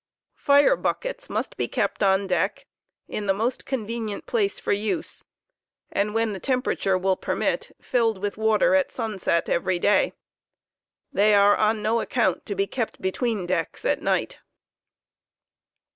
Fire buckets must be kept on deck in the most convenient place for use, and and procnutionu » 7 . against ere. when the temperature will permit, filled with water at sunset every day. They are on no account to be kept between decks at night.